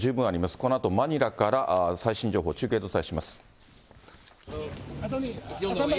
このあとマニラから最新情報、中継でお伝えします。